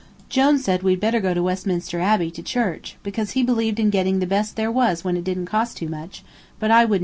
Jone said we'd better go to Westminster Abbey to church, because he believed in getting the best there was when it didn't cost too much, but I wouldn't do it.